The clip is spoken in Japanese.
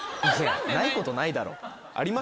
ないことないだろ。